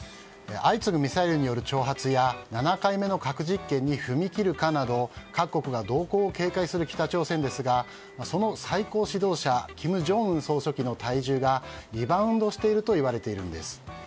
相次ぐミサイルによる挑発や７回目の核実験に踏み切るかなど各国が同行を警戒する北朝鮮ですがその最高指導者金正恩総書記の体重がリバウンドしているといわれているんです。